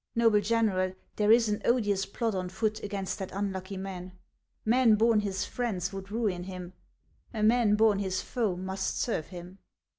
Noble General, there is an odious plot on foot against that unlucky man. Men born his friends, would ruin him ; a man born his foe, must serve him."